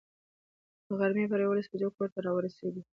د غرمې پر یوولسو بجو کور ته را ورسېدو.